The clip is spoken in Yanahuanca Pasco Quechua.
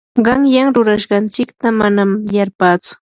qanyan rurashqanchikta manam yarpatsu.